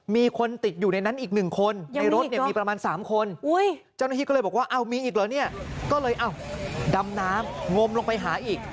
มีคนติดอยู่ในนั้นอีก๑คนในรถเนี่ยมีประมาณ๓คนเจ้าหน้าที่ก็เลยบอกว่ามีอีกเหรอเนี่ยก็เลยดำน้ำงมลงไปหาอีก